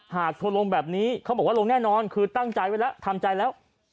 โทรลงแบบนี้เขาบอกว่าลงแน่นอนคือตั้งใจไว้แล้วทำใจแล้ว